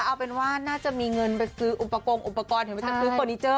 เอาเป็นว่าน่าจะมีเงินไปซื้ออุปกรณ์อุปกรณ์เห็นว่าจะซื้อเฟอร์นิเจอร์